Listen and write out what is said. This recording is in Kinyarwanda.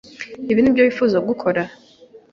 Ibi nibyo nifuzaga gukora.